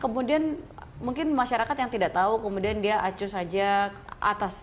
mungkin masyarakat yang tidak tahu kemudian dia acus saja atas